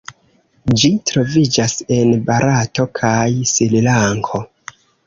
Ĝi troviĝas en Barato kaj Srilanko.